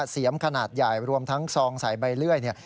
เสียมขนาดใหญ่รวมทั้งซองใส่ใบเลื่อยเนี่ย